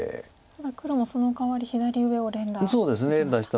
ただ黒もそのかわり左上を連打できました。